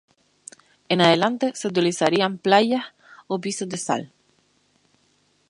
En adelante, se utilizarían playas o pisos de sal.